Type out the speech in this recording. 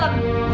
ni orang rumah